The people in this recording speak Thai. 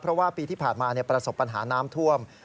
เพราะว่าปีที่ผ่านมาประสบปัญหาน้ำท่วม